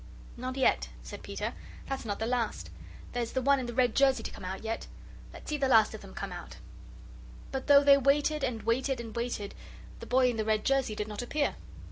"Not yet," said Peter. "That's not the last. There's the one in the red jersey to come yet. Let's see the last of them come out." But though they waited and waited and waited, the boy in the red jersey did not appear.